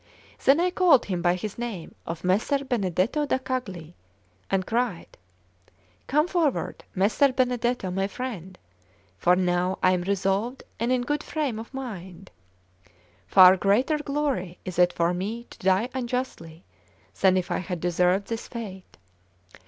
Then I called him by his name of Messer Benedetto da Cagli, and cried: "Come forward, Messer Benedetto, my friend, for now, I am resolved and in good frame of mind; far greater glory is it for me to die unjustly than if I had deserved this fate.